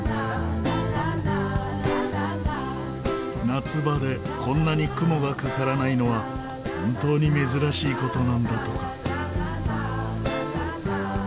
夏場でこんなに雲がかからないのは本当に珍しい事なんだとか。